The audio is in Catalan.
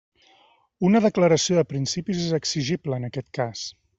Una declaració de principis és exigible, en aquest cas.